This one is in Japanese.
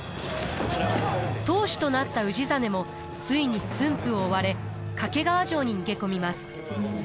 当主となった氏真もついに駿府を追われ掛川城に逃げ込みます。